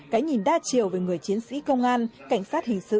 cái nhìn đa chiều về người chiến sĩ công an cảnh sát hình sự